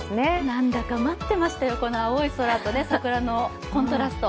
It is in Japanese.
何だか待ってましたよ、この青い空と桜のコントラスト。